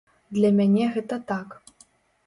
Для мяне гэта так.